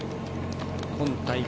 今大会